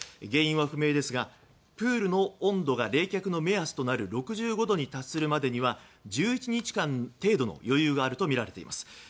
原因は不明ですがプールの温度が冷却の目安となる６５度に達するまでには１１日間程度の余裕があるとみられています。